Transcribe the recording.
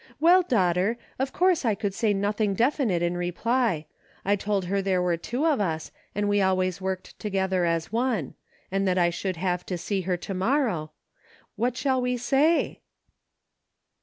Well, daughter, of course I could say nothing definite in reply ; I told her there were two of us, and we always worked together as one ; and that I should have to see her to morrow ; what shall we say